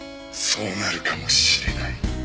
そうなるかもしれない。